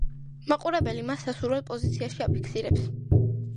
მაყურებელი მას სასურველ პოზიციაში აფიქსირებს.